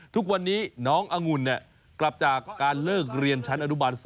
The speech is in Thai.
ทุกวันนี้น้ององุ่นกลับจากการเลิกเรียนชั้นอนุบาล๒